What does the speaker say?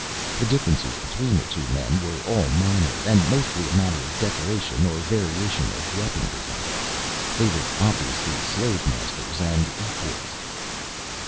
The differences between the two men were all minor, and mostly a matter of decoration or variation of weapon design. They were obviously slave masters and equals.